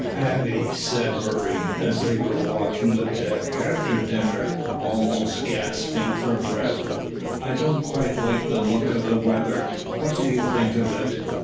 "Paddy," said Murray, as they were walking the deck after dinner, almost gasping for breath, "I don't quite like the look of the weather; what do you think of it?"